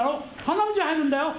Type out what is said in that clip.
花道へ入るんだよ。